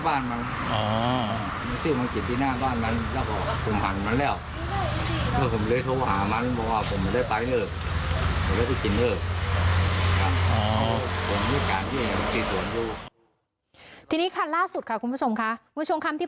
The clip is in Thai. วันตอน๓ทุ่มเดี๋ยวโทรไปเป็นไง